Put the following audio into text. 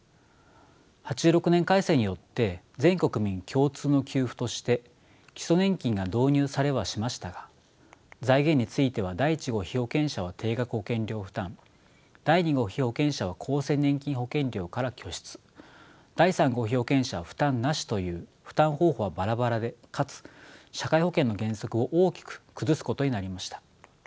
８６年改正によって全国民共通の給付として基礎年金が導入されはしましたが財源については第１号被保険者は定額保険料負担第２号被保険者は厚生年金保険料から拠出第３号被保険者は負担なしという負担方法はバラバラでかつ社会保険の原則を大きく崩すことになりました。